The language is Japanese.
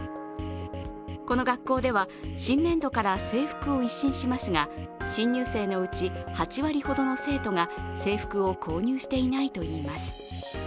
この学校では新年度から制服を一新しますが、新入生のうち８割ほどの生徒が制服を購入していないといいます。